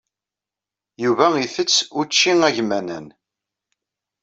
Yuba isett učči agmanan.